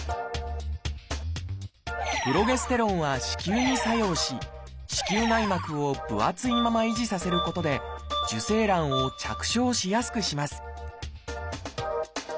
プロゲステロンは子宮に作用し子宮内膜を分厚いまま維持させることで受精卵を着床しやすくします